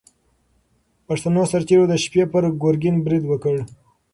پښتنو سرتېرو د شپې پر ګورګین برید وکړ.